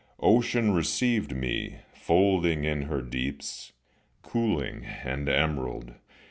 Ocean received me, folding in her deeps, Cooling and emerald.